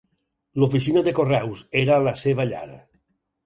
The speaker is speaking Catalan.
L"oficina de correus era la seva llar.